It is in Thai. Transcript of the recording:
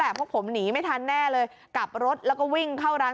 พวกผมหนีไม่ทันแน่เลยกลับรถแล้วก็วิ่งเข้าร้าน